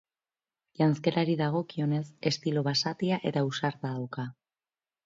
Janzkerari dagokionez, estilo basatia eta ausarta dauka.